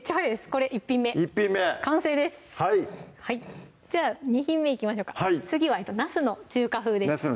これ１品目完成ですじゃあ２品目いきましょうか次は「なすの中華風」です